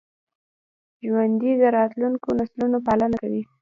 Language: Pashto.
ژوندي د راتلونکو نسلونو پالنه کوي